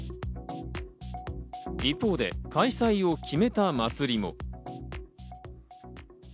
一方で開催を決めた祭りも。